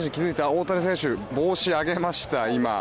大谷選手、帽子上げました。